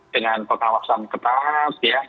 dengan pengawasan ketat